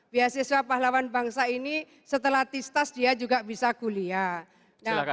beasiswa pahlawan bangsa ini setelah tistas dia juga bisa kuliah